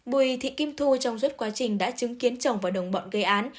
bùi thị kim thu trong suốt quá trình đã chứng kiến chồng và đồng bọn gây án